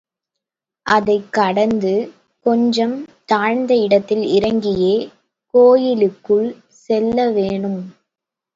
அதைக் கடந்து கொஞ்சம் தாழ்ந்த இடத்தில் இறங்கியே கோயிலுக்குள் செல்ல வேணும்.